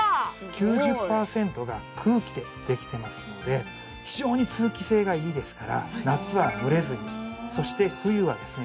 ９０％が空気でできていますので非常に通気性がいいですから夏は蒸れずにそして冬はですね